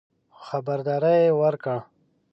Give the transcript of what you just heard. خو خبرداری یې ورکړ